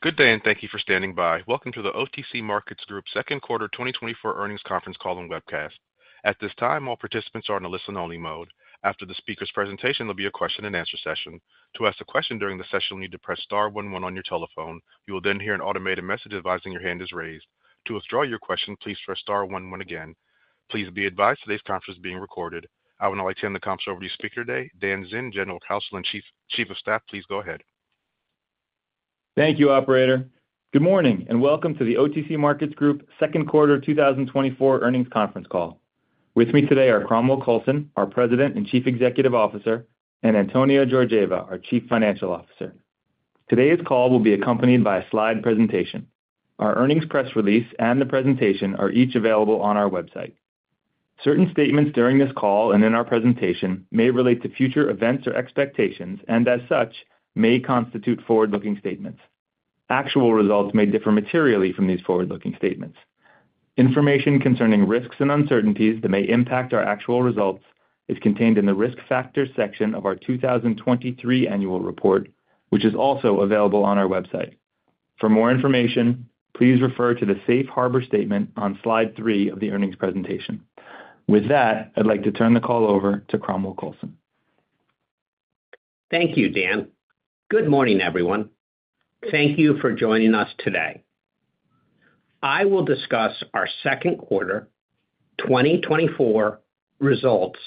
Good day, and thank you for standing by. Welcome to the OTC Markets Group second quarter 2024 earnings conference call and webcast. At this time, all participants are in a listen-only mode. After the speaker's presentation, there'll be a question-and-answer session. To ask a question during the session, you'll need to press star one one on your telephone. You will then hear an automated message advising your hand is raised. To withdraw your question, please press star one one again. Please be advised today's conference is being recorded. I would now like to hand the conference over to your speaker today, Dan Zinn, General Counsel and Chief of Staff. Please go ahead. Thank you, operator. Good morning, and welcome to the OTC Markets Group second quarter 2024 earnings conference call. With me today are Cromwell Coulson, our President and Chief Executive Officer, and Antonia Georgieva, our Chief Financial Officer. Today's call will be accompanied by a slide presentation. Our earnings press release and the presentation are each available on our website. Certain statements during this call and in our presentation may relate to future events or expectations and as such, may constitute forward-looking statements. Actual results may differ materially from these forward-looking statements. Information concerning risks and uncertainties that may impact our actual results is contained in the Risk Factors section of our 2023 annual report, which is also available on our website. For more information, please refer to the safe harbor statement on slide 3 of the earnings presentation. With that, I'd like to turn the call over to Cromwell Coulson. Thank you, Dan. Good morning, everyone. Thank you for joining us today. I will discuss our second quarter 2024 results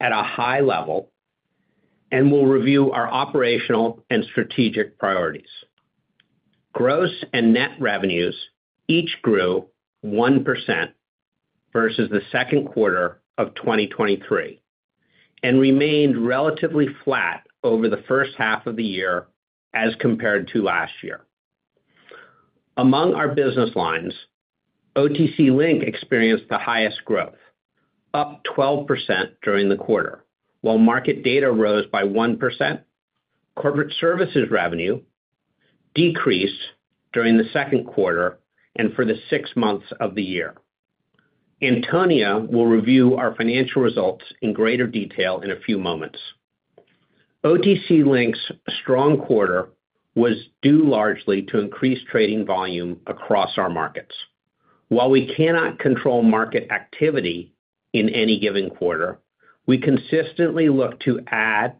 at a high level and will review our operational and strategic priorities. Gross and net revenues each grew 1% versus the second quarter of 2023 and remained relatively flat over the first half of the year as compared to last year. Among our business lines, OTC Link experienced the highest growth, up 12% during the quarter, while market data rose by 1%. Corporate services revenue decreased during the second quarter and for the six months of the year. Antonia will review our financial results in greater detail in a few moments. OTC Link's strong quarter was due largely to increased trading volume across our markets. While we cannot control market activity in any given quarter, we consistently look to add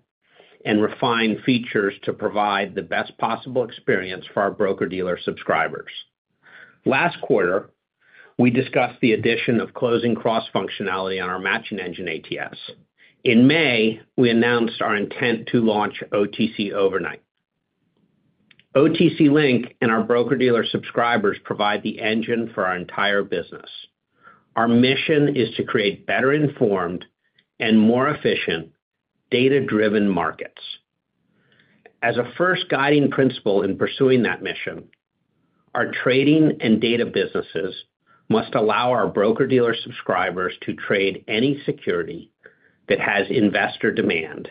and refine features to provide the best possible experience for our broker-dealer subscribers. Last quarter, we discussed the addition of Closing Cross functionality on our matching engine, ATS. In May, we announced our intent to launch OTC Overnight. OTC Link and our broker-dealer subscribers provide the engine for our entire business. Our mission is to create better-informed and more efficient data-driven markets. As a first guiding principle in pursuing that mission, our trading and data businesses must allow our broker-dealer subscribers to trade any security that has investor demand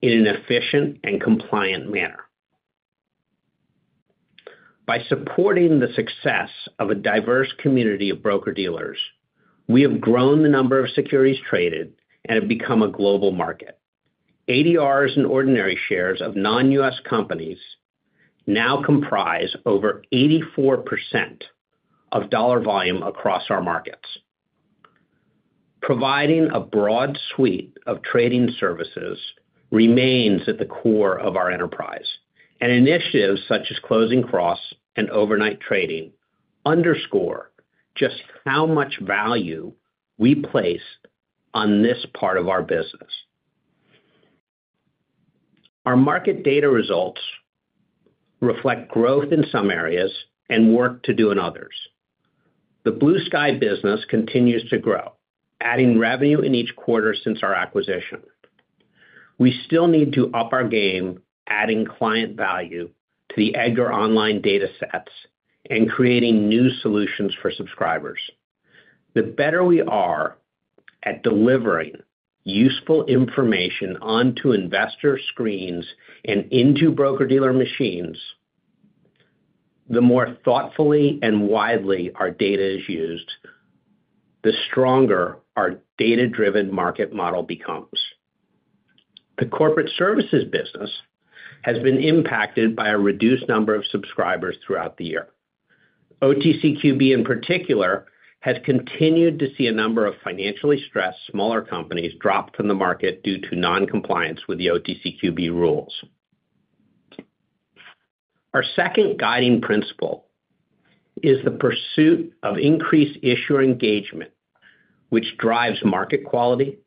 in an efficient and compliant manner. By supporting the success of a diverse community of broker-dealers, we have grown the number of securities traded and have become a global market. ADRs and ordinary shares of non-U.S. companies now comprise over 84% of dollar volume across our markets. Providing a broad suite of trading services remains at the core of our enterprise, and initiatives such as Closing Cross and overnight trading underscore just how much value we place on this part of our business. Our market data results reflect growth in some areas and work to do in others. The Blue Sky business continues to grow, adding revenue in each quarter since our acquisition. We still need to up our game, adding client value to the EDGAR Online datasets and creating new solutions for subscribers. The better we are at delivering useful information onto investor screens and into broker-dealer machines, the more thoughtfully and widely our data is used, the stronger our data-driven market model becomes. The corporate services business has been impacted by a reduced number of subscribers throughout the year. OTCQB, in particular, has continued to see a number of financially stressed smaller companies drop from the market due to non-compliance with the OTCQB rules. Our second guiding principle is the pursuit of increased issuer engagement, which drives market quality,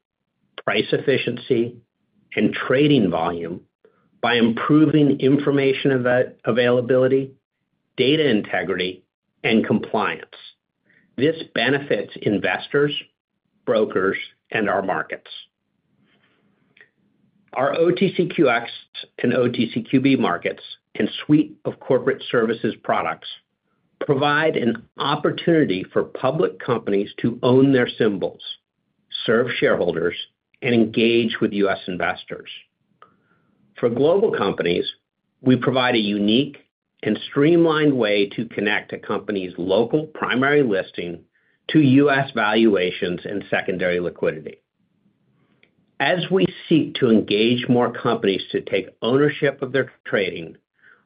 price efficiency, and trading volume by improving information availability, data integrity, and compliance. This benefits investors, brokers, and our markets. Our OTCQX and OTCQB markets and suite of corporate services products provide an opportunity for public companies to own their symbols, serve shareholders, and engage with U.S. investors. For global companies, we provide a unique and streamlined way to connect a company's local primary listing to U.S. valuations and secondary liquidity. As we seek to engage more companies to take ownership of their trading,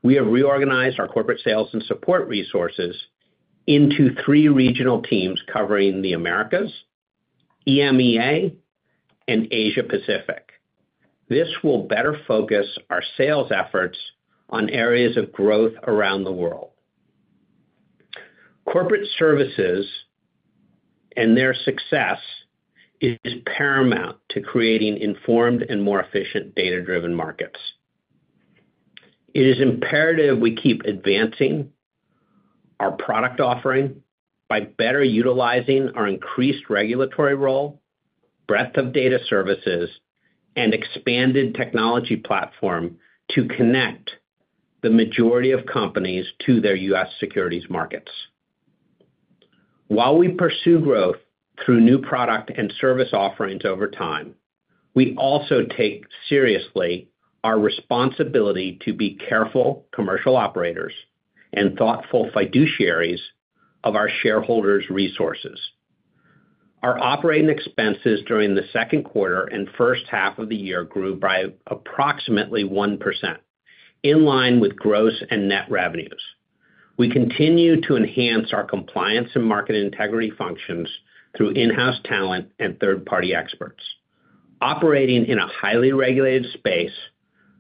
we have reorganized our corporate sales and support resources into three regional teams covering the Americas, EMEA, and Asia Pacific. This will better focus our sales efforts on areas of growth around the world. Corporate services and their success is paramount to creating informed and more efficient data-driven markets. It is imperative we keep advancing our product offering by better utilizing our increased regulatory role, breadth of data services, and expanded technology platform to connect the majority of companies to their U.S. securities markets. While we pursue growth through new product and service offerings over time, we also take seriously our responsibility to be careful commercial operators and thoughtful fiduciaries of our shareholders' resources. Our operating expenses during the second quarter and first half of the year grew by approximately 1%, in line with gross and net revenues. We continue to enhance our compliance and market integrity functions through in-house talent and third-party experts. Operating in a highly regulated space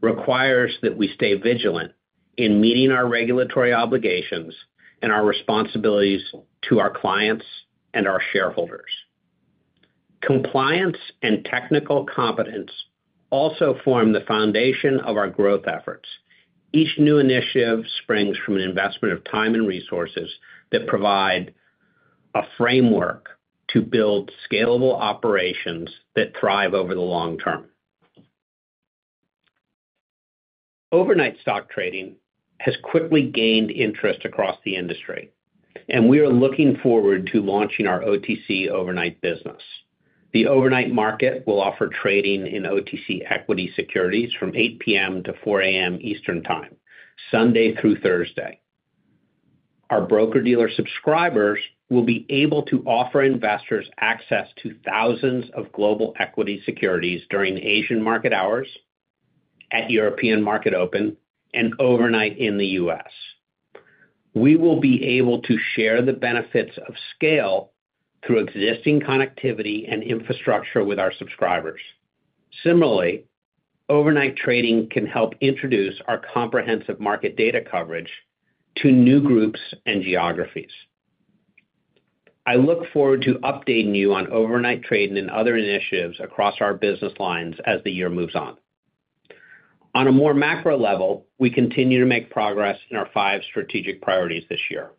requires that we stay vigilant in meeting our regulatory obligations and our responsibilities to our clients and our shareholders. Compliance and technical competence also form the foundation of our growth efforts. Each new initiative springs from an investment of time and resources that provide a framework to build scalable operations that thrive over the long term. Overnight stock trading has quickly gained interest across the industry, and we are looking forward to launching our OTC Overnight business. The overnight market will offer trading in OTC equity securities from 8:00 P.M. to 4:00 A.M. Eastern Time, Sunday through Thursday. Our broker-dealer subscribers will be able to offer investors access to thousands of global equity securities during Asian market hours, at European market open, and overnight in the U.S. We will be able to share the benefits of scale through existing connectivity and infrastructure with our subscribers. Similarly, overnight trading can help introduce our comprehensive market data coverage to new groups and geographies. I look forward to updating you on overnight trading and other initiatives across our business lines as the year moves on. On a more macro level, we continue to make progress in our five strategic priorities this year.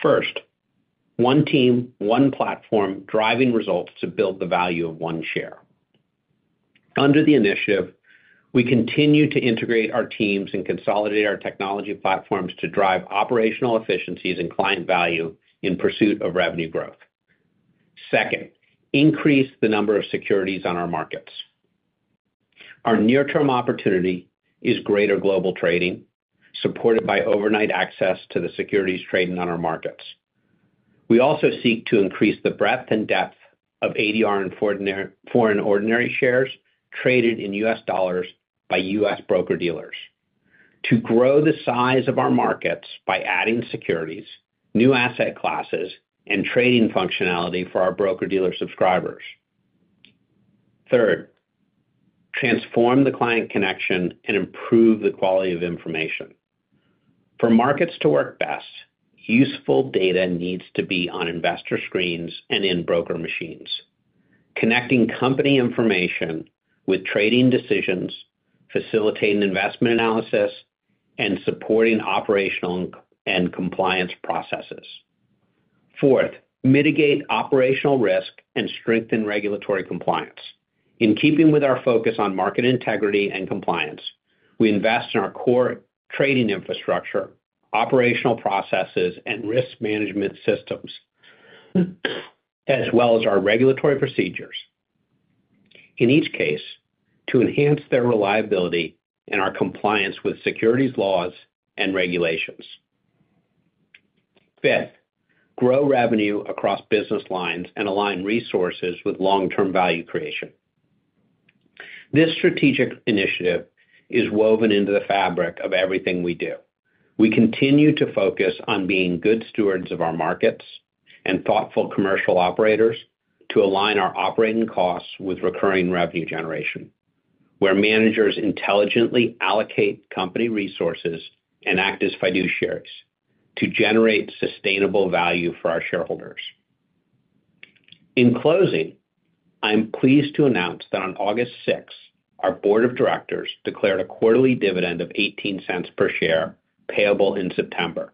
First, one team, one platform, driving results to build the value of one share. Under the initiative, we continue to integrate our teams and consolidate our technology platforms to drive operational efficiencies and client value in pursuit of revenue growth. Second, increase the number of securities on our markets. Our near-term opportunity is greater global trading, supported by overnight access to the securities trading on our markets. We also seek to increase the breadth and depth of ADR and foreign ordinary shares traded in U.S. dollars by U.S. broker-dealers, to grow the size of our markets by adding securities, new asset classes, and trading functionality for our broker-dealer subscribers. Third, transform the client connection and improve the quality of information. For markets to work best, useful data needs to be on investor screens and in broker machines, connecting company information with trading decisions, facilitating investment analysis, and supporting operational and compliance processes. Fourth, mitigate operational risk and strengthen regulatory compliance. In keeping with our focus on market integrity and compliance, we invest in our core trading infrastructure, operational processes, and risk management systems, as well as our regulatory procedures, in each case, to enhance their reliability and our compliance with securities laws and regulations. Fifth, grow revenue across business lines and align resources with long-term value creation. This strategic initiative is woven into the fabric of everything we do. We continue to focus on being good stewards of our markets and thoughtful commercial operators to align our operating costs with recurring revenue generation, where managers intelligently allocate company resources and act as fiduciaries to generate sustainable value for our shareholders. In closing, I'm pleased to announce that on August 6th, our board of directors declared a quarterly dividend of $0.18 per share, payable in September.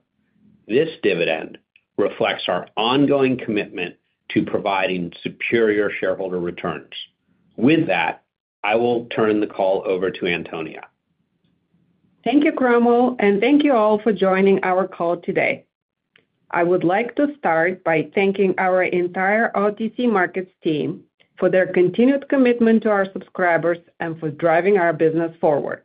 This dividend reflects our ongoing commitment to providing superior shareholder returns. With that, I will turn the call over to Antonia. Thank you, Cromwell, and thank you all for joining our call today. I would like to start by thanking our entire OTC Markets team for their continued commitment to our subscribers and for driving our business forward.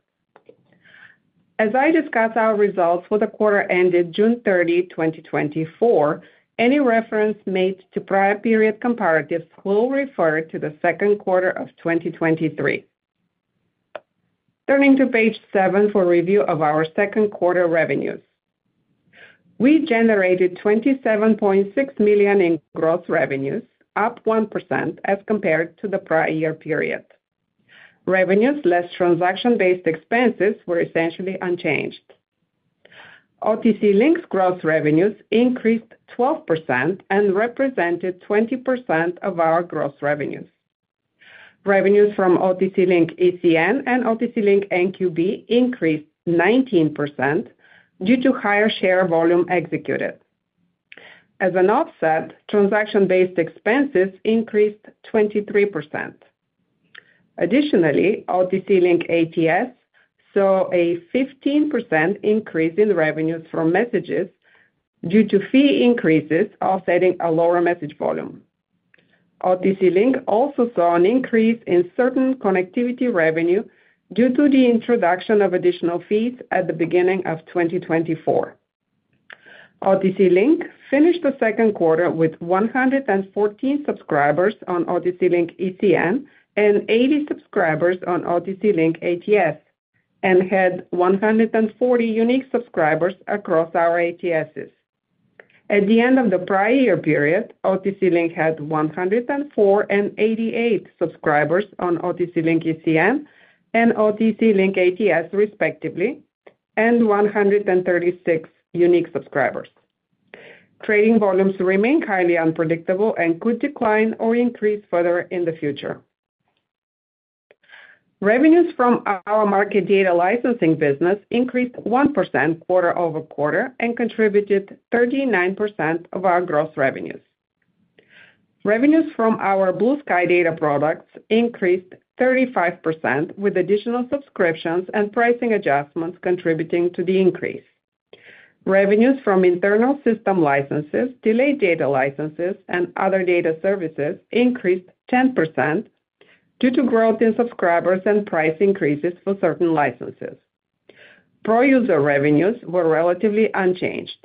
As I discuss our results for the quarter ended June 30, 2024, any reference made to prior period comparatives will refer to the second quarter of 2023. Turning to page 7 for review of our second quarter revenues. We generated $27.6 million in gross revenues, up 1% as compared to the prior year period. Revenues less transaction-based expenses were essentially unchanged. OTC Link's gross revenues increased 12% and represented 20% of our gross revenues. Revenues from OTC Link ECN and OTC Link NQB increased 19% due to higher share volume executed. As an offset, transaction-based expenses increased 23%. Additionally, OTC Link ATS saw a 15% increase in revenues from messages due to fee increases offsetting a lower message volume. OTC Link also saw an increase in certain connectivity revenue due to the introduction of additional fees at the beginning of 2024. OTC Link finished the second quarter with 114 subscribers on OTC Link ECN and 80 subscribers on OTC Link ATS, and had 140 unique subscribers across our ATSs. At the end of the prior year period, OTC Link had 104 and 88 subscribers on OTC Link ECN and OTC Link ATS, respectively, and 136 unique subscribers. Trading volumes remain highly unpredictable and could decline or increase further in the future. Revenues from our market data licensing business increased 1% quarter-over-quarter and contributed 39% of our gross revenues. Revenues from our Blue Sky data products increased 35%, with additional subscriptions and pricing adjustments contributing to the increase. Revenues from internal system licenses, delayed data licenses, and other data services increased 10% due to growth in subscribers and price increases for certain licenses. Pro User revenues were relatively unchanged.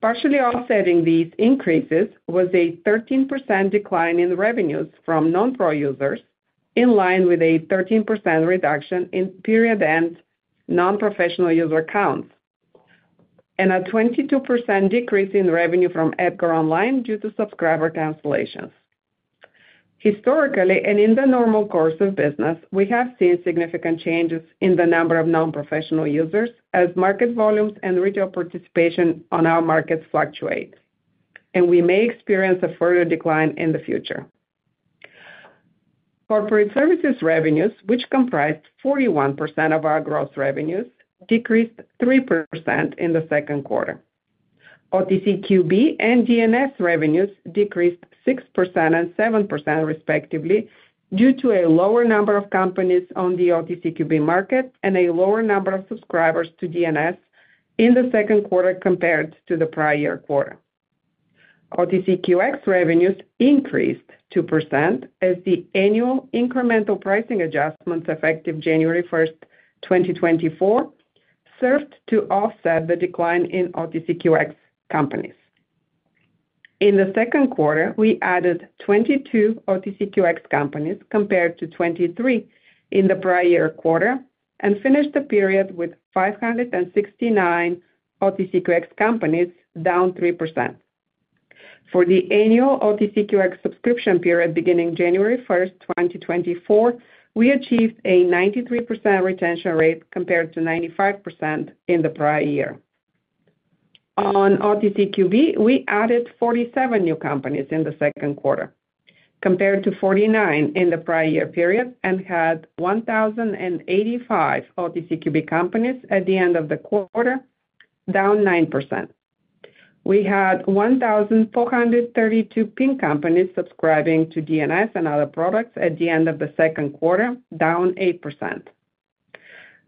Partially offsetting these increases was a 13% decline in revenues from non-pro users, in line with a 13% reduction in period end non-professional user accounts, and a 22% decrease in revenue from EDGAR Online due to subscriber cancellations. Historically, and in the normal course of business, we have seen significant changes in the number of non-professional users as market volumes and retail participation on our markets fluctuate, and we may experience a further decline in the future. Corporate services revenues, which comprised 41% of our gross revenues, decreased 3% in the second quarter. OTCQB and DNS revenues decreased 6% and 7%, respectively, due to a lower number of companies on the OTCQB market and a lower number of subscribers to DNS in the second quarter compared to the prior year quarter. OTCQX revenues increased 2% as the annual incremental pricing adjustments effective January 1, 2024, served to offset the decline in OTCQX companies. In the second quarter, we added 22 OTCQX companies, compared to 23 in the prior year quarter, and finished the period with 569 OTCQX companies, down 3%. For the annual OTCQX subscription period, beginning January 1, 2024, we achieved a 93% retention rate, compared to 95% in the prior year. On OTCQB, we added 47 new companies in the second quarter, compared to 49 in the prior year period, and had 1,085 OTCQB companies at the end of the quarter, down 9%. We had 1,432 Pink companies subscribing to DNS and other products at the end of the second quarter, down 8%.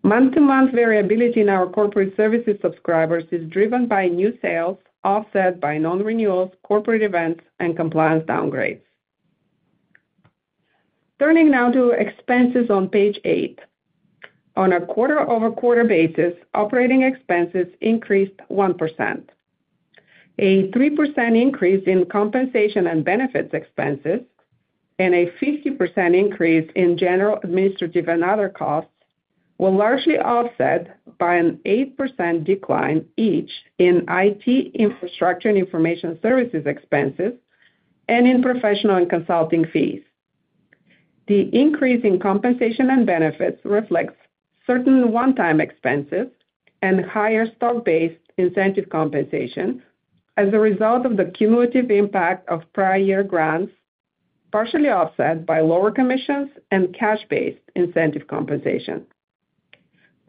Month-to-month variability in our corporate services subscribers is driven by new sales, offset by non-renewals, corporate events, and compliance downgrades. Turning now to expenses on page eight. On a quarter-over-quarter basis, operating expenses increased 1%. A 3% increase in compensation and benefits expenses, and a 50% increase in general, administrative, and other costs were largely offset by an 8% decline each in IT infrastructure and information services expenses and in professional and consulting fees. The increase in compensation and benefits reflects certain one-time expenses and higher stock-based incentive compensation as a result of the cumulative impact of prior year grants, partially offset by lower commissions and cash-based incentive compensation.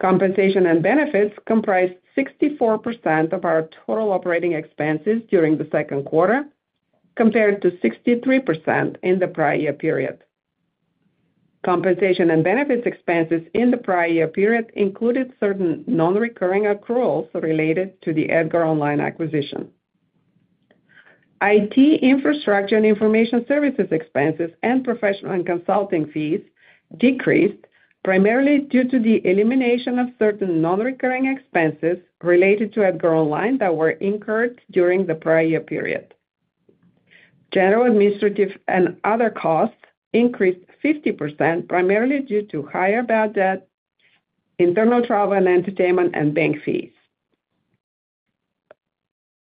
Compensation and benefits comprised 64% of our total operating expenses during the second quarter, compared to 63% in the prior year period. Compensation and benefits expenses in the prior year period included certain non-recurring accruals related to the EDGAR Online acquisition. IT infrastructure and information services expenses and professional and consulting fees decreased, primarily due to the elimination of certain non-recurring expenses related to EDGAR Online that were incurred during the prior year period. General, administrative, and other costs increased 50%, primarily due to higher bad debt, internal travel and entertainment, and bank fees.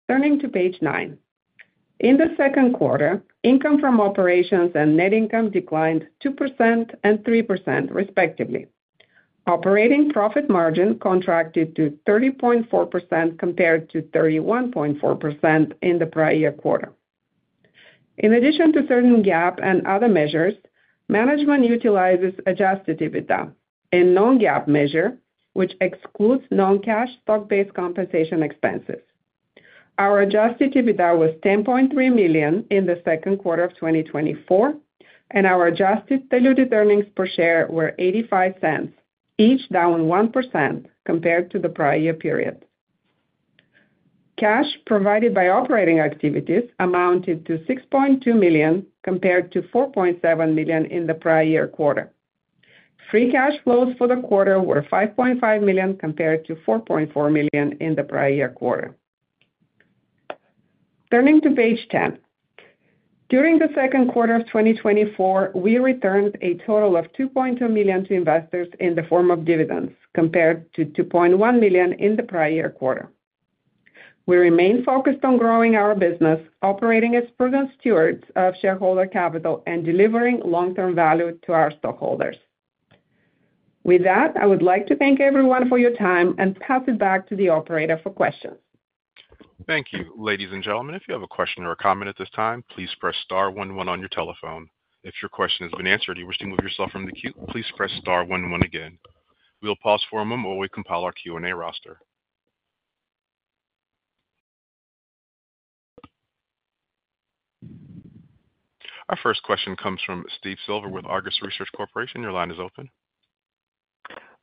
Turning to page 9. In the second quarter, income from operations and net income declined 2% and 3% respectively. Operating profit margin contracted to 30.4% compared to 31.4% in the prior year quarter. In addition to certain GAAP and other measures, management utilizes adjusted EBITDA, a non-GAAP measure, which excludes non-cash stock-based compensation expenses. Our adjusted EBITDA was $10.3 million in the second quarter of 2024, and our adjusted diluted earnings per share were $0.85, each down 1% compared to the prior year period. Cash provided by operating activities amounted to $6.2 million, compared to $4.7 million in the prior year quarter. Free cash flows for the quarter were $5.5 million, compared to $4.4 million in the prior year quarter. Turning to page ten. During the second quarter of 2024, we returned a total of $2.2 million to investors in the form of dividends, compared to $2.1 million in the prior year quarter. We remain focused on growing our business, operating as prudent stewards of shareholder capital, and delivering long-term value to our stockholders. With that, I would like to thank everyone for your time and pass it back to the operator for questions. Thank you. Ladies and gentlemen, if you have a question or a comment at this time, please press star one one on your telephone. If your question has been answered, and you wish to remove yourself from the queue, please press star one one again. We'll pause for a moment while we compile our Q&A roster. Our first question comes from Steve Silver with Argus Research Corporation. Your line is open.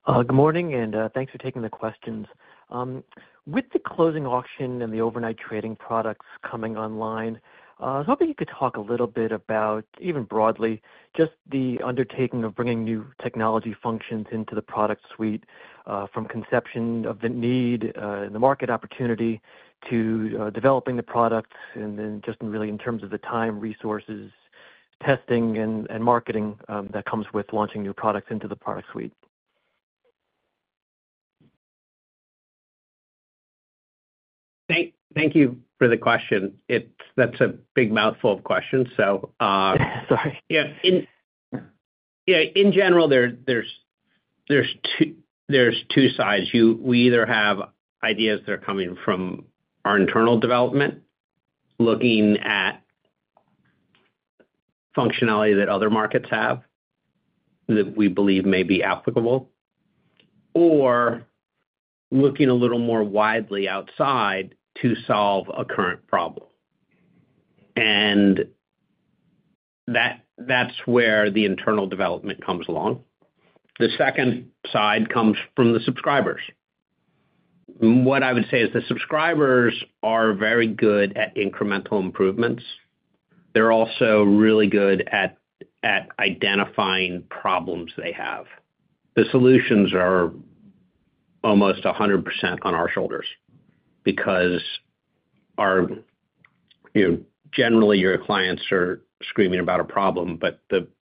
Good morning, and thanks for taking the questions. With the closing auction and the overnight trading products coming online, I was hoping you could talk a little bit about, even broadly, just the undertaking of bringing new technology functions into the product suite, from conception of the need, and the market opportunity to, developing the products, and then just really in terms of the time, resources, testing and marketing, that comes with launching new products into the product suite. Thank you for the question. It's, that's a big mouthful of questions. So. Sorry. Yeah. In general, there are two sides. We either have ideas that are coming from our internal development, looking at functionality that other markets have, that we believe may be applicable, or looking a little more widely outside to solve a current problem. And that's where the internal development comes along. The second side comes from the subscribers. What I would say is the subscribers are very good at incremental improvements. They're also really good at identifying problems they have. The solutions are almost 100% on our shoulders because, you know, generally, your clients are screaming about a problem, but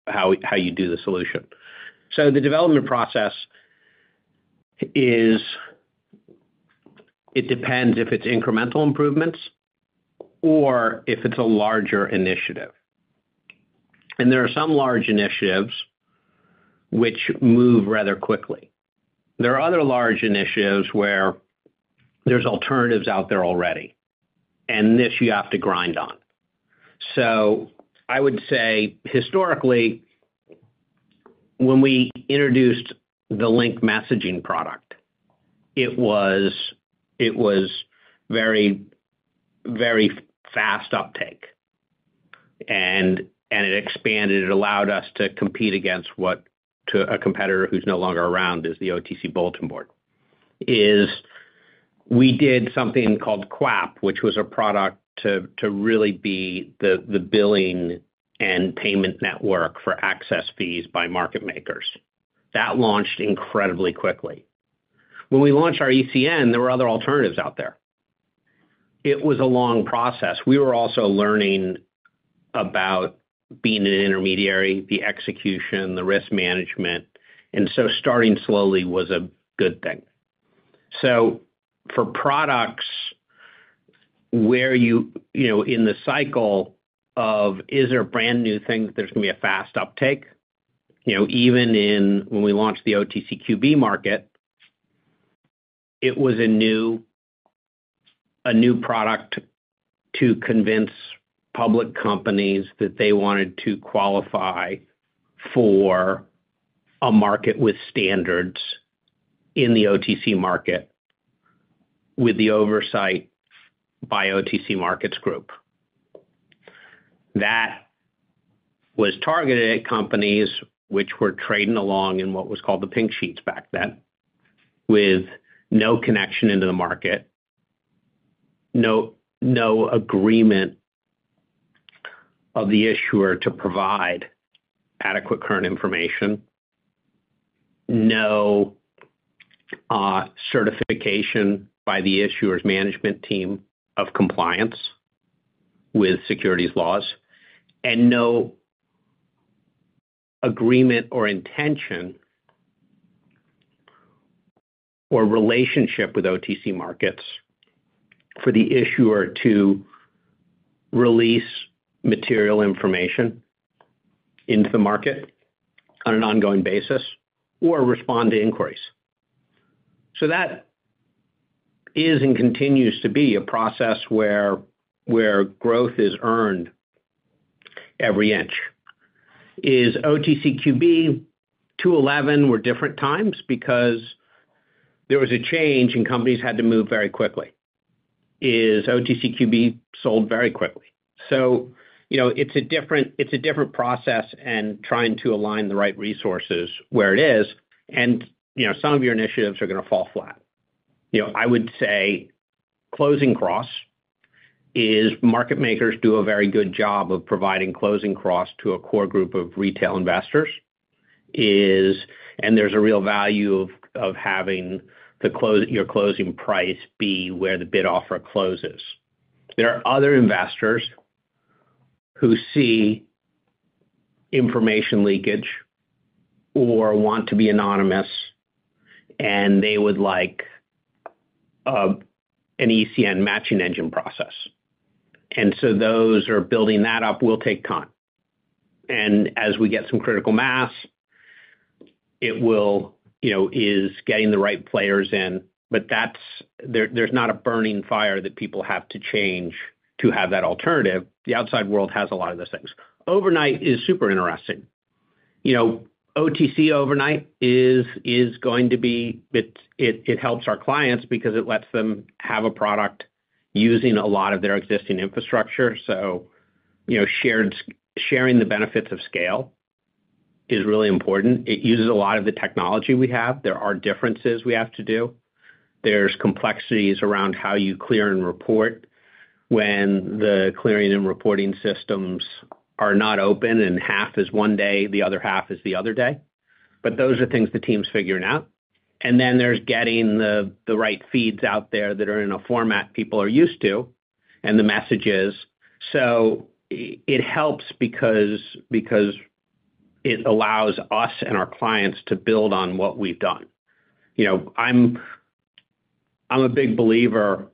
how you do the solution. So the development process is, it depends if it's incremental improvements or if it's a larger initiative. And there are some large initiatives which move rather quickly. There are other large initiatives where there's alternatives out there already, and this you have to grind on. So I would say, historically, when we introduced the Link messaging product, it was, it was very, very fast uptake, and, and it expanded. It allowed us to compete against what—to a competitor who's no longer around—is the OTC Bulletin Board; is we did something called QAP, which was a product to, to really be the, the billing and payment network for access fees by market makers. That launched incredibly quickly. When we launched our ECN, there were other alternatives out there. It was a long process. We were also learning about being an intermediary, the execution, the risk management, and so starting slowly was a good thing. So for products where you, you know, in the cycle of, is there a brand-new thing that there's gonna be a fast uptake? You know, even in when we launched the OTCQB market, it was a new, a new product to convince public companies that they wanted to qualify for a market with standards in the OTC market with the oversight by OTC Markets Group. That was targeted at companies which were trading along in what was called the Pink Sheets back then, with no connection into the market, no, no agreement of the issuer to provide adequate current information, no, certification by the issuer's management team of compliance with securities laws, and no agreement or intention or relationship with OTC Markets for the issuer to release material information into the market on an ongoing basis or respond to inquiries. So that is and continues to be a process where growth is earned every inch. In OTCQB 2011 were different times because there was a change, and companies had to move very quickly, as OTCQB sold very quickly. So you know, it's a different process and trying to align the right resources where it is and, you know, some of your initiatives are going to fall flat. You know, I would say Closing Cross is market makers do a very good job of providing Closing Cross to a core group of retail investors, and there's a real value of having the closing price be where the bid offer closes. There are other investors who see information leakage or want to be anonymous, and they would like an ECN matching engine process, and so those are building that up will take time. And as we get some critical mass, it will. You know, getting the right players in, but that's—there, there's not a burning fire that people have to change to have that alternative. The outside world has a lot of those things. Overnight is super interesting. You know, OTC Overnight is going to be. It helps our clients because it lets them have a product using a lot of their existing infrastructure. So, you know, sharing the benefits of scale is really important. It uses a lot of the technology we have. There are differences we have to do. There's complexities around how you clear and report when the clearing and reporting systems are not open, and half is one day, the other half is the other day. But those are things the team's figuring out. And then there's getting the right feeds out there that are in a format people are used to, and the message is. So it helps because it allows us and our clients to build on what we've done. You know, I'm, I'm a big believer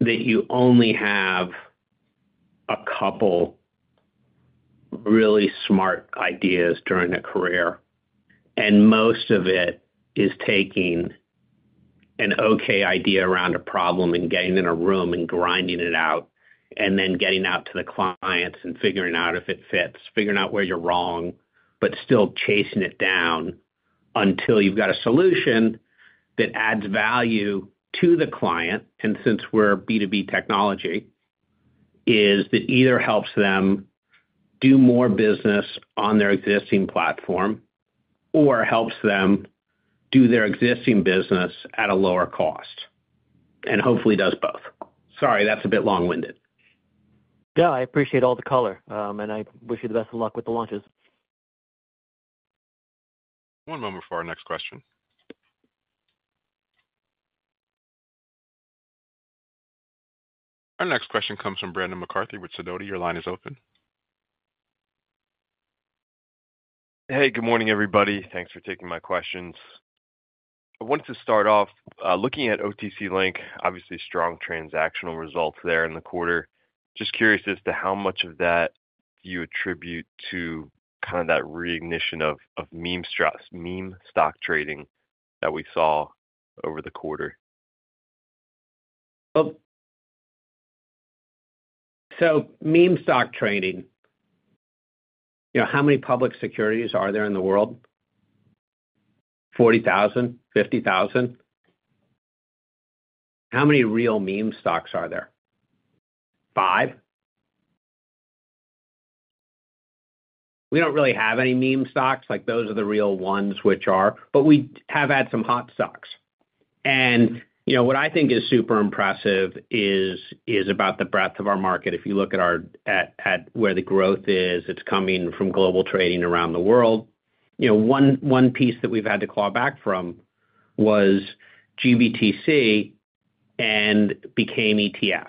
that you only have a couple really smart ideas during a career, and most of it is taking an okay idea around a problem and getting in a room and grinding it out, and then getting out to the clients and figuring out if it fits, figuring out where you're wrong, but still chasing it down until you've got a solution that adds value to the client. And since we're B2B technology, is that either helps them do more business on their existing platform or helps them do their existing business at a lower cost, and hopefully does both. Sorry, that's a bit long-winded. Yeah, I appreciate all the color, and I wish you the best of luck with the launches. One moment for our next question. Our next question comes from Brendan McCarthy with Sidoti. Your line is open. Hey, good morning, everybody. Thanks for taking my questions. I want to start off looking at OTC Link, obviously strong transactional results there in the quarter. Just curious as to how much of that you attribute to kind of that reignition of meme-stock trading that we saw over the quarter? Well. So meme-stock trading, you know, how many public securities are there in the world? 40,000, 50,000. How many real meme-stocks are there? Five. We don't really have any meme-stocks, like those are the real ones, which are. But we have had some hot stocks. And, you know, what I think is super impressive is about the breadth of our market. If you look at our at where the growth is, it's coming from global trading around the world. You know, one piece that we've had to claw back from was GBTC and became ETFs.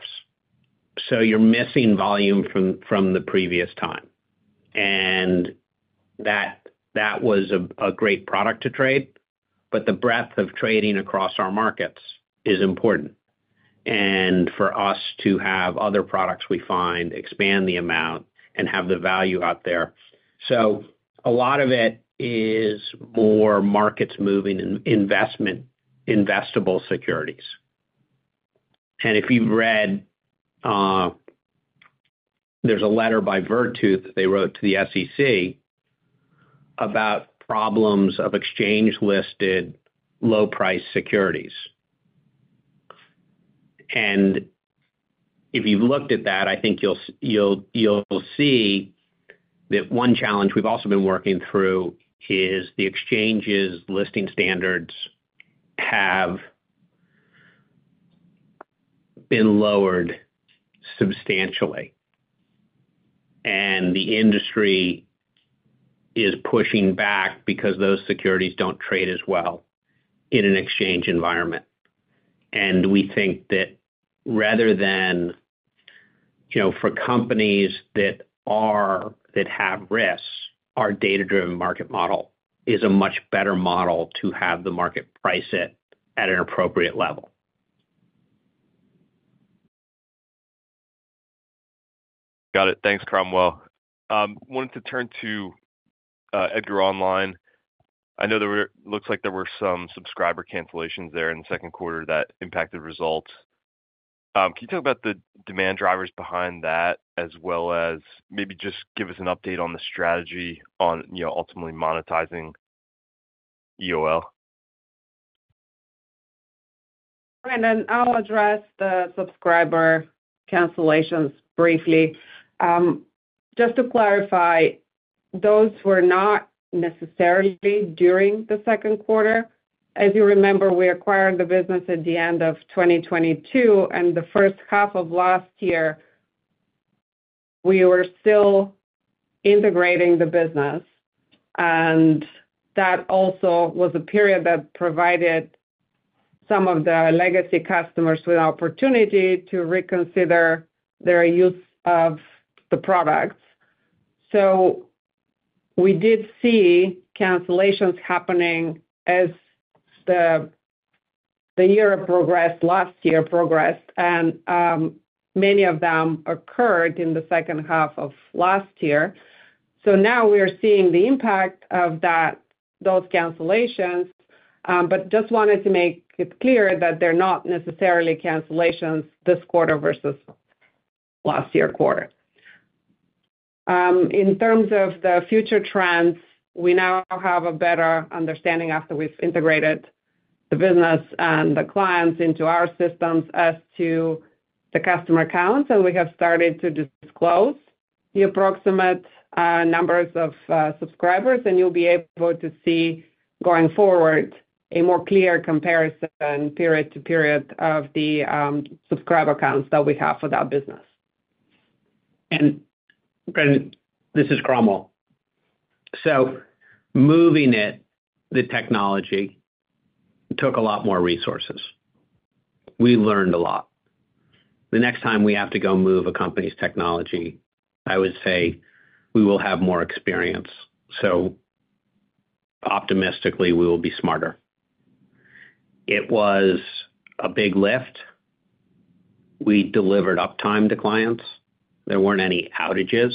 So you're missing volume from the previous time, and that was a great product to trade, but the breadth of trading across our markets is important, and for us to have other products we find, expand the amount and have the value out there. So a lot of it is more markets moving in investment, investable securities. And if you've read, there's a letter by Virtu that they wrote to the SEC about problems of exchange-listed, low-priced securities. And if you've looked at that, I think you'll see that one challenge we've also been working through is the exchanges listing standards have been lowered substantially, and the industry is pushing back because those securities don't trade as well in an exchange environment. And we think that rather than, you know, for companies that are that have risks, our data-driven market model is a much better model to have the market price it at an appropriate level. Got it. Thanks, Cromwell. Wanted to turn to EDGAR Online. I know there were—looks like there were some subscriber cancellations there in the second quarter that impacted results. Can you talk about the demand drivers behind that, as well as maybe just give us an update on the strategy on, you know, ultimately monetizing EOL? Then I'll address the subscriber cancellations briefly. Just to clarify, those were not necessarily during the second quarter. As you remember, we acquired the business at the end of 2022, and the first half of last year, we were still integrating the business, and that also was a period that provided some of the legacy customers with an opportunity to reconsider their use of the products. So we did see cancellations happening as the year progressed, last year progressed, and many of them occurred in the second half of last year. So now we are seeing the impact of that, those cancellations, but just wanted to make it clear that they're not necessarily cancellations this quarter versus last year quarter. In terms of the future trends, we now have a better understanding after we've integrated the business and the clients into our systems as to the customer counts, and we have started to disclose the approximate numbers of subscribers, and you'll be able to see going forward a more clear comparison, period to period, of the subscriber accounts that we have for that business. And Brandon, this is Cromwell. So moving it, the technology, took a lot more resources. We learned a lot. The next time we have to go move a company's technology, I would say we will have more experience, so optimistically, we will be smarter. It was a big lift. We delivered uptime to clients. There weren't any outages.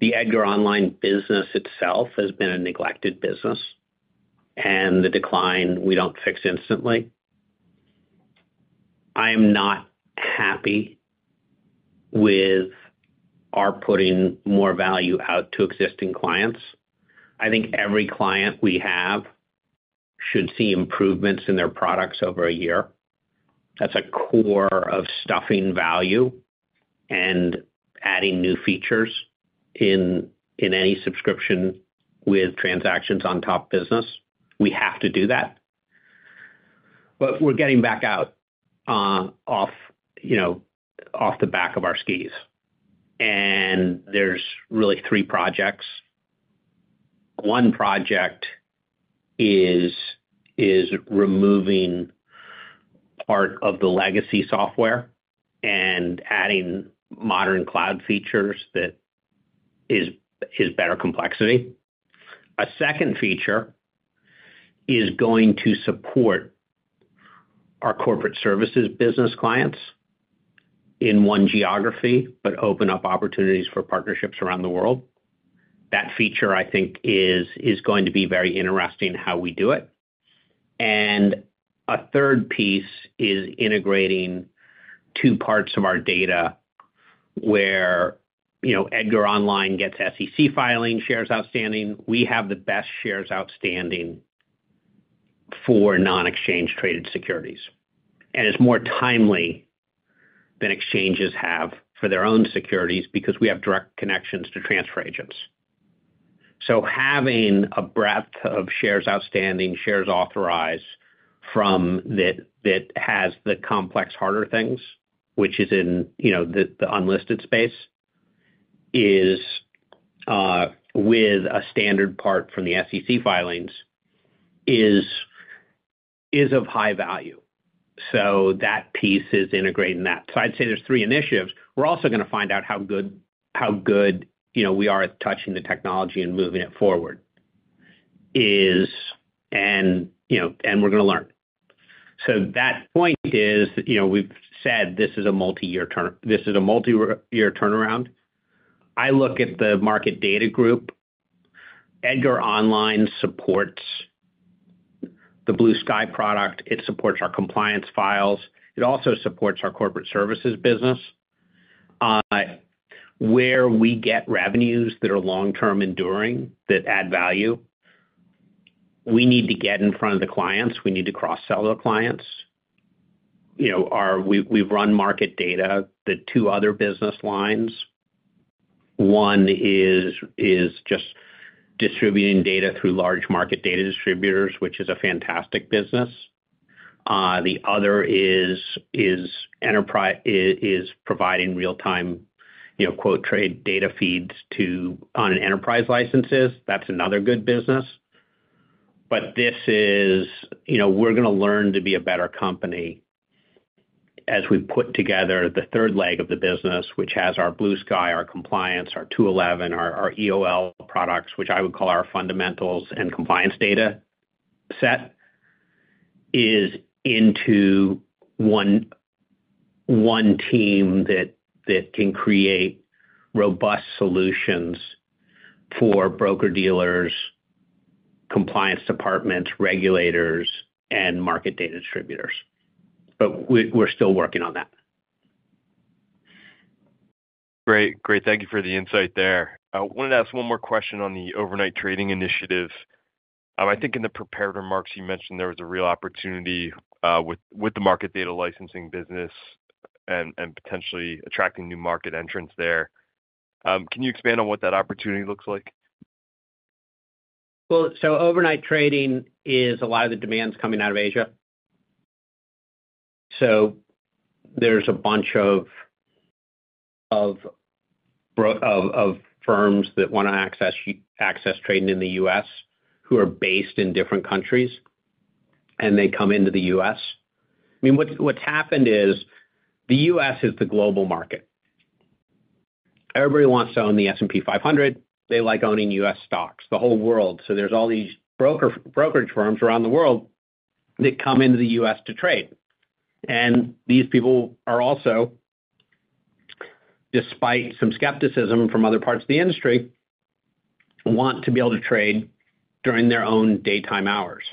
The EDGAR Online business itself has been a neglected business, and the decline we don't fix instantly. I am not happy with our putting more value out to existing clients. I think every client we have should see improvements in their products over a year. That's a core of stuffing value and adding new features in, in any subscription with transactions on top business. We have to do that. But we're getting back out, off, you know, off the back of our skis, and there's really three projects. One project is removing part of the legacy software and adding modern cloud features that is better complexity. A second feature is going to support our corporate services business clients in one geography, but open up opportunities for partnerships around the world. That feature, I think, is going to be very interesting how we do it. And a third piece is integrating two parts of our data where, you know, EDGAR Online gets SEC filing, shares outstanding. We have the best shares outstanding for non-exchange traded securities, and it's more timely than exchanges have for their own securities because we have direct connections to transfer agents. So having a breadth of shares, outstanding shares authorized from that, that has the complex, harder things, which is in, you know, the, the unlisted space, is with a standard part from the SEC filings, is of high value. So that piece is integrating that. So I'd say there's three initiatives. We're also gonna find out how good, how good, you know, we are at touching the technology and moving it forward, you know, and we're gonna learn. So that point is, you know, we've said this is a multi-year turn, this is a multi-year turnaround. I look at the market data group. EDGAR Online supports the Blue Sky product. It supports our compliance files. It also supports our corporate services business, where we get revenues that are long-term enduring, that add value, we need to get in front of the clients. We need to cross-sell the clients. You know, we've run market data, the two other business lines. One is just distributing data through large market data distributors, which is a fantastic business. The other is enterprise—is providing real-time, you know, quote, trade data feeds to, on enterprise licenses. That's another good business. But this is. You know, we're gonna learn to be a better company as we put together the third leg of the business, which has our Blue Sky, our compliance, our 211, our EOL products, which I would call our fundamentals and compliance data set, is into one team that can create robust solutions for broker-dealers, compliance departments, regulators, and market data distributors. But we, we're still working on that. Great. Great, thank you for the insight there. I wanted to ask one more question on the overnight trading initiative. I think in the prepared remarks, you mentioned there was a real opportunity, with the market data licensing business and potentially attracting new market entrants there. Can you expand on what that opportunity looks like? Well, so overnight trading is a lot of the demands coming out of Asia. So there's a bunch of brokerage firms that wanna access trading in the U.S., who are based in different countries, and they come into the U.S. I mean, what's happened is, the U.S. is the global market. Everybody wants to own the S&P 500. They like owning U.S. stocks, the whole world. So there's all these brokerage firms around the world that come into the U.S. to trade. And these people are also, despite some skepticism from other parts of the industry, want to be able to trade during their own daytime hours.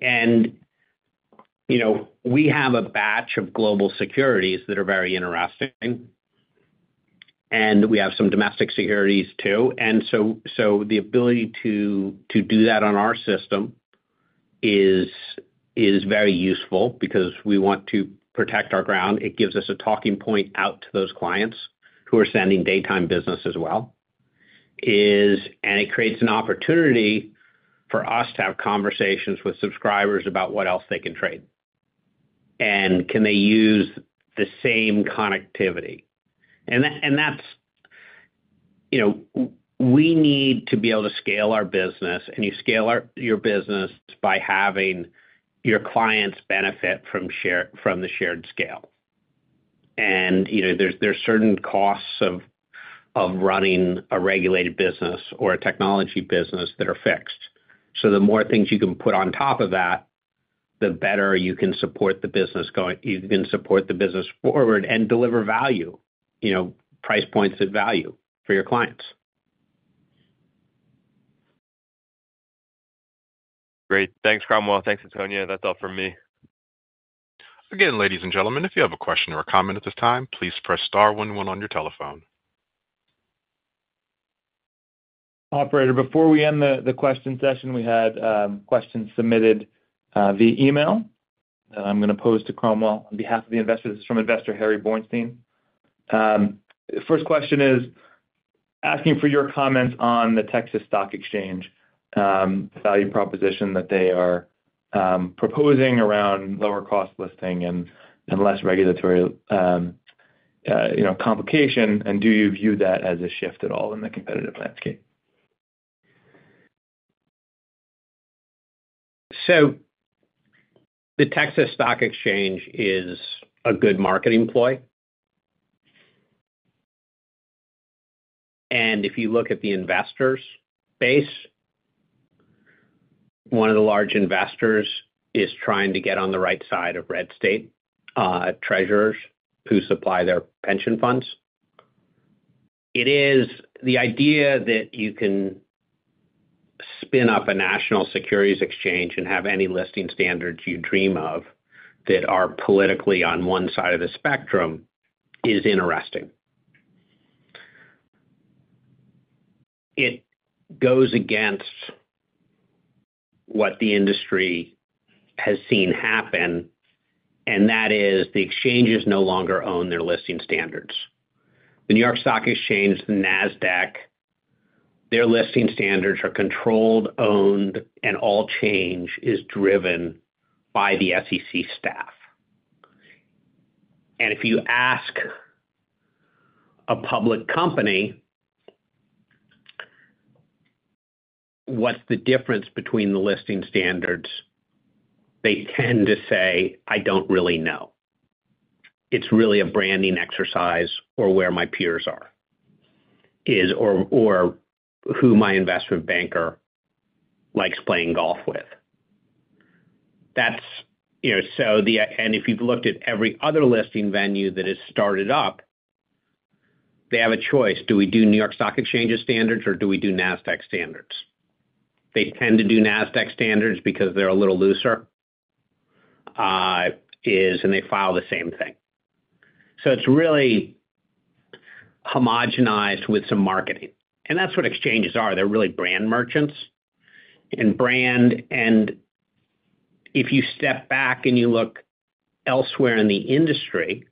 And, you know, we have a batch of global securities that are very interesting, and we have some domestic securities, too. So the ability to do that on our system is very useful because we want to protect our ground. It gives us a talking point out to those clients who are sending daytime business as well, and it creates an opportunity for us to have conversations with subscribers about what else they can trade, and can they use the same connectivity. And that's. You know, we need to be able to scale our business, and you scale your business by having your clients benefit from share, from the shared scale. And, you know, there's certain costs of running a regulated business or a technology business that are fixed. So the more things you can put on top of that, the better you can support the business going forward and deliver value, you know, price points at value for your clients. Great. Thanks, Cromwell. Thanks, Antonia. That's all from me. Again, ladies and gentlemen, if you have a question or a comment at this time, please press star one one on your telephone. Operator, before we end the question session, we had questions submitted via email. I'm gonna pose to Cromwell on behalf of the investors. It's from investor Harry Bornstein. First question is asking for your comments on the Texas Stock Exchange value proposition that they are proposing around lower cost listing and less regulatory, you know, complication. Do you view that as a shift at all in the competitive landscape? So the Texas Stock Exchange is a good marketing ploy. And if you look at the investors' base, one of the large investors is trying to get on the right side of red state treasurers who supply their pension funds. It is the idea that you can spin up a national securities exchange and have any listing standards you dream of that are politically on one side of the spectrum, is interesting. It goes against what the industry has seen happen, and that is, the exchanges no longer own their listing standards. The New York Stock Exchange, the Nasdaq, their listing standards are controlled, owned, and all change is driven by the SEC staff. And if you ask a public company, "What's the difference between the listing standards?" They tend to say, "I don't really know. It's really a branding exercise or where my peers are, or who my investment banker likes playing golf with. That's. You know, so and if you've looked at every other listing venue that has started up, they have a choice: Do we do New York Stock Exchange's standards or do we do Nasdaq standards? They tend to do Nasdaq standards because they're a little looser, and they file the same thing. So it's really homogenized with some marketing, and that's what exchanges are. They're really brand merchants and brand. And if you step back, and you look elsewhere in the industry,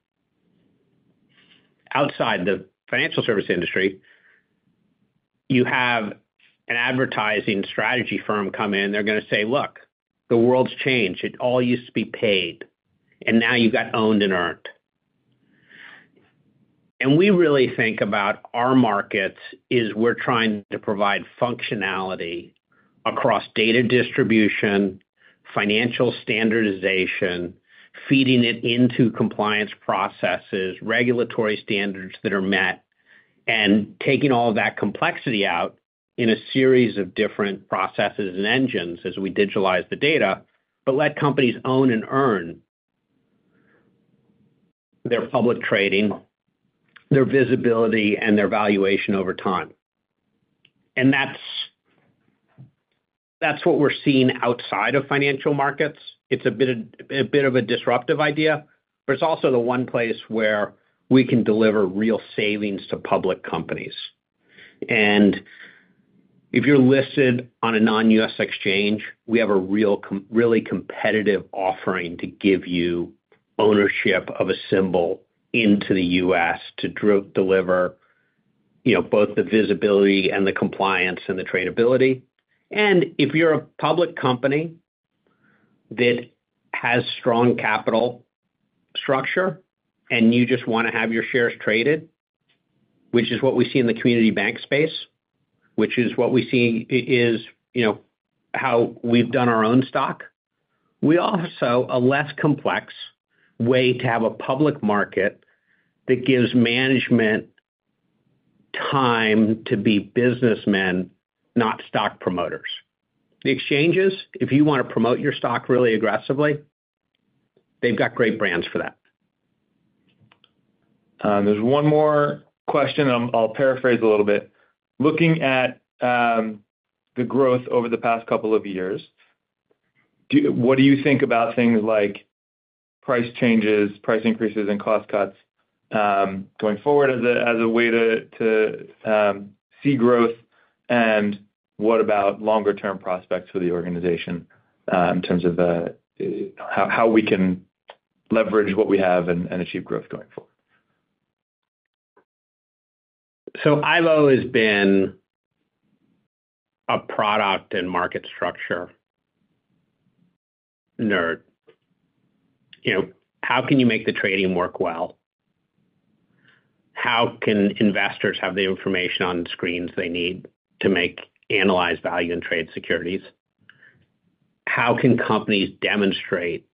outside the financial service industry, you have an advertising strategy firm come in, they're gonna say: "Look, the world's changed. It all used to be paid, and now you've got owned and earned. And we really think about our markets is we're trying to provide functionality across data distribution, financial standardization, feeding it into compliance processes, regulatory standards that are met, and taking all of that complexity out in a series of different processes and engines as we digitalize the data, but let companies own and earn their public trading, their visibility, and their valuation over time. And that's, that's what we're seeing outside of financial markets. It's a bit of, a bit of a disruptive idea, but it's also the one place where we can deliver real savings to public companies. If you're listed on a non-U.S. exchange, we have a really competitive offering to give you ownership of a symbol into the U.S. to deliver, you know, both the visibility and the compliance and the tradability. If you're a public company that has strong capital structure and you just wanna have your shares traded, which is what we see in the community bank space, which is what we see is, you know, how we've done our own stock. We also a less complex way to have a public market that gives management time to be businessmen, not stock promoters. The exchanges, if you wanna promote your stock really aggressively, they've got great brands for that. There's one more question. I'll paraphrase a little bit. Looking at the growth over the past couple of years, what do you think about things like price changes, price increases, and cost cuts going forward as a way to see growth? And what about longer-term prospects for the organization, in terms of how we can leverage what we have and achieve growth going forward? So I have always been a product and market structure nerd. You know, how can you make the trading work well? How can investors have the information on the screens they need to make analyzed value and trade securities? How can companies demonstrate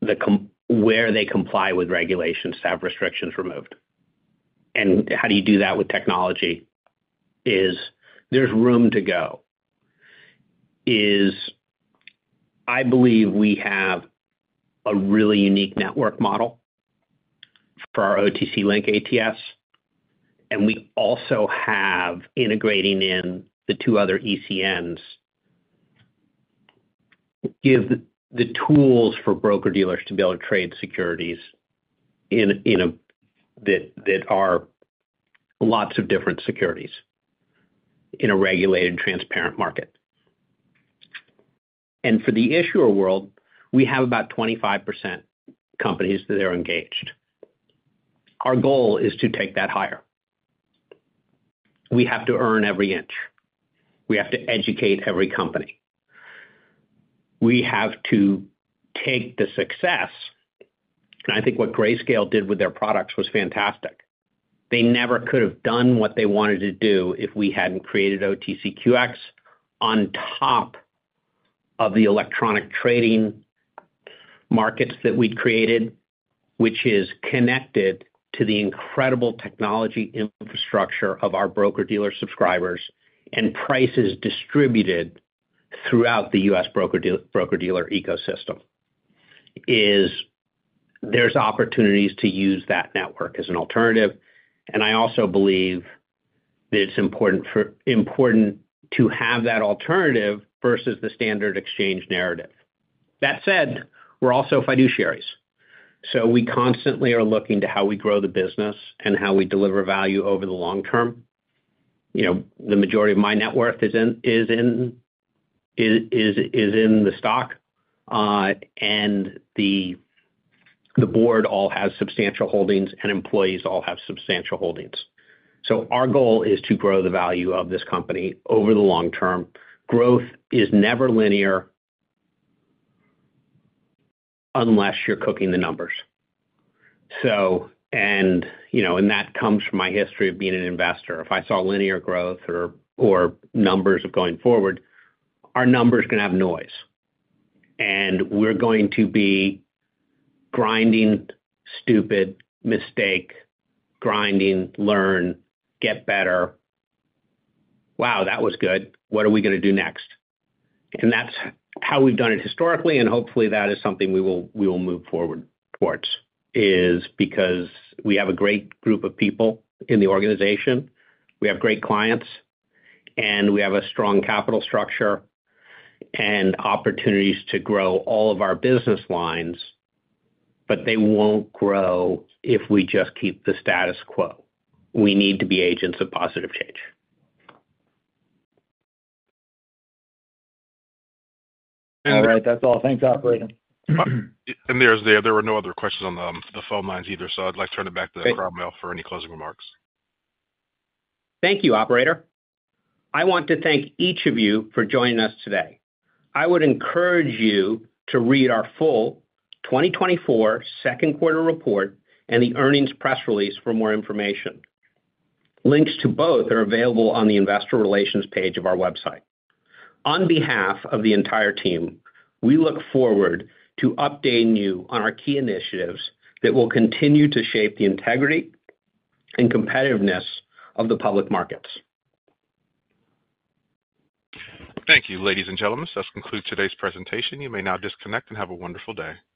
the compliance where they comply with regulations to have restrictions removed? And how do you do that with technology? There's room to go. I believe we have a really unique network model for our OTC Link ATS, and we also have, integrating the two other ECNs, gives the tools for broker-dealers to be able to trade securities in a way that there are lots of different securities in a regulated, transparent market. And for the issuer world, we have about 25% companies that are engaged. Our goal is to take that higher. We have to earn every inch. We have to educate every company. We have to take the success, and I think what Grayscale did with their products was fantastic. They never could have done what they wanted to do if we hadn't created OTCQX on top of the electronic trading markets that we'd created, which is connected to the incredible technology infrastructure of our broker-dealer subscribers, and prices distributed throughout the U.S. broker-deal, broker-dealer ecosystem, is there's opportunities to use that network as an alternative, and I also believe that it's important for, important to have that alternative versus the standard exchange narrative. That said, we're also fiduciaries, so we constantly are looking to how we grow the business and how we deliver value over the long term. You know, the majority of my net worth is in the stock, and the board all has substantial holdings, and employees all have substantial holdings. So our goal is to grow the value of this company over the long term. Growth is never linear unless you're cooking the numbers. So, and, you know, and that comes from my history of being an investor. If I saw linear growth or numbers of going forward, our numbers are gonna have noise, and we're going to be grinding, stupid, mistake, grinding, learn, get better. Wow, that was good! What are we gonna do next? That's how we've done it historically, and hopefully, that is something we will, we will move forward towards, is because we have a great group of people in the organization, we have great clients, and we have a strong capital structure and opportunities to grow all of our business lines, but they won't grow if we just keep the status quo. We need to be agents of positive change. All right. That's all. Thanks, operator. There were no other questions on the phone lines either, so I'd like to turn it back to R. Cromwell for any closing remarks. Thank you, operator. I want to thank each of you for joining us today. I would encourage you to read our full 2024 second quarter report and the earnings press release for more information. Links to both are available on the investor relations page of our website. On behalf of the entire team, we look forward to updating you on our key initiatives that will continue to shape the integrity and competitiveness of the public markets. Thank you, ladies and gentlemen. This concludes today's presentation. You may now disconnect and have a wonderful day.